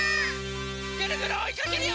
ぐるぐるおいかけるよ！